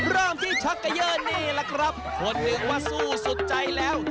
เริ่มที่ชักเกยอร์นี่แหละครับคนหนึ่งว่าสู้สุดใจแล้ว